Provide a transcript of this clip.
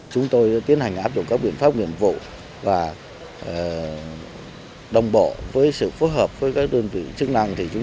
chúng tôi tiến hành áp dụng các biện pháp nghiệp vụ và đồng bộ với sự phối hợp với các đơn vị chức năng